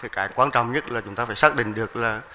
cái quan trọng nhất là chúng ta phải xác định được là